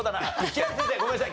輝星先生ごめんなさい。